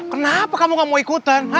kenapa kamu gak mau ikutan